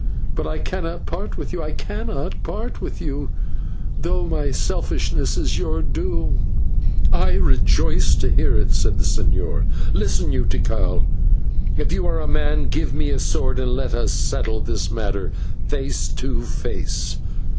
But I cannot part with you I cannot part with you though my selfishness is your doom." "I rejoice to hear it," said the señor. "Listen you, Tikal, if you are a man, give me a sword and let us settle this matter face to face.